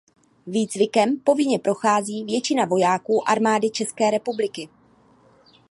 Výcvikem povinně prochází většina vojáků Armády České republiky.